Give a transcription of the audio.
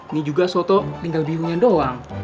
ini juga soto linggal birunya doang